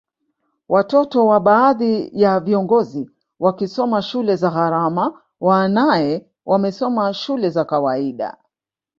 Watoto wa baadhi ya viongozi wakisoma shule za gharama wanae wamesoma shule za kawaida